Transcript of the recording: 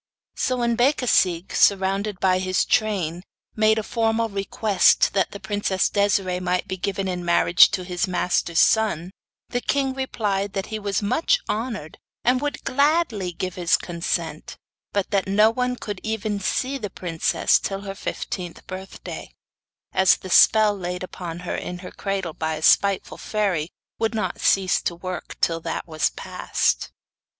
So when Becasigue, surround by his train, made a formal request that the princess Desiree might be given in marriage to his master's son, the king replied that he was much honoured, and would gladly give his consent; but that no one could even see the princess till her fifteenth birthday, as the spell laid upon her in her cradle by a spiteful fairy, would not cease to work till that was past.